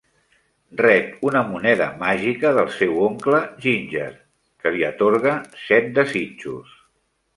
Rep una moneda màgica del seu oncle, Ginger, que li atorga set desitjos.